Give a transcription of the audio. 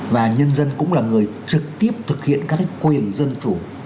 và nhân dân cũng là người trực tiếp thực hiện các quyền dân chủ